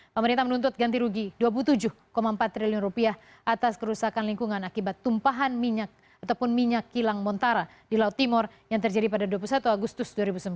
pemerintah menuntut ganti rugi rp dua puluh tujuh empat triliun rupiah atas kerusakan lingkungan akibat tumpahan minyak ataupun minyak kilang montara di laut timur yang terjadi pada dua puluh satu agustus dua ribu sembilan belas